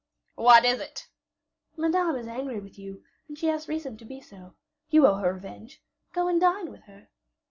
"What is it?" "Madame is angry with you, and she has reason to be so. You owe her revenge; go and dine with her."